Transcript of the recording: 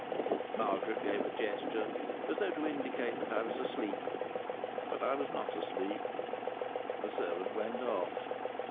Margaret gave a gesture as though to indicate that I was asleep. But I was not asleep. The servant went off.